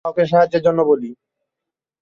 কাউকে সাহায্যের জন্য বলি।